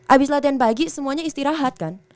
abis latihan pagi semuanya istirahat kan